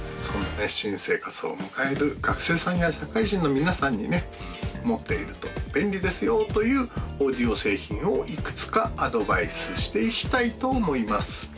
そんなね新生活を迎える学生さんや社会人の皆さんにね持っていると便利ですよというオーディオ製品をいくつかアドバイスしていきたいと思います